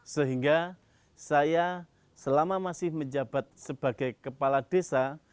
sehingga saya selama masih menjabat sebagai kepala desa